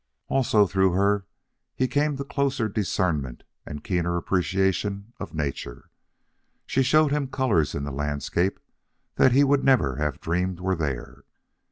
Also through her he came to a closer discernment and keener appreciation of nature. She showed him colors in the landscape that he would never have dreamed were there.